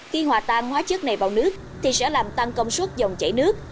khi hòa tan hóa chất này vào nước thì sẽ làm tăng công suất dòng chảy nước